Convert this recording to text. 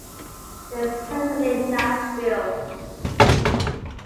They settled in Nashville.